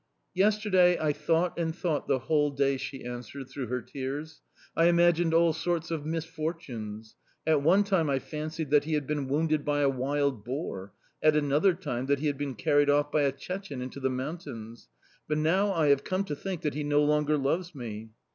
"'Yesterday I thought and thought the whole day,' she answered through her tears; 'I imagined all sorts of misfortunes. At one time I fancied that he had been wounded by a wild boar, at another time, that he had been carried off by a Chechene into the mountains... But, now, I have come to think that he no longer loves me.